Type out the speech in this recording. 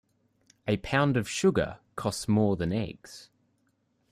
A pound of sugar costs more than eggs.